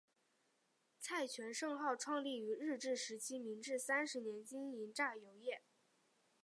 蔡泉盛号创立于日治时期明治三十年经营榨油业。